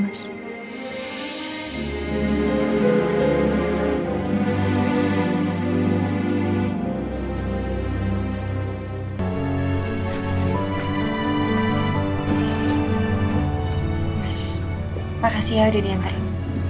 mas makasih ya udah diantarin